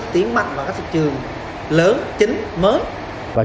tiến mạnh vào các thị trường lớn chính mới